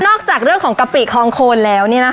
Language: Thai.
นอกจากเรื่องของกะปิคองโคนแล้วนี่นะคะ